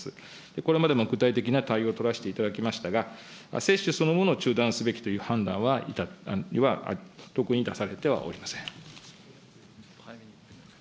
これまでの具体的な対応を取らせていただきましたが、接種そのものを中断すべきという判断は、特に出されてはおりません。